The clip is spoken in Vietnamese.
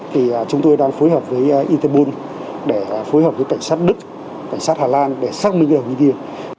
thì chúng tôi đang phối hợp với interpol để phối hợp với cảnh sát đức cảnh sát hà lan để xác minh đồng như kia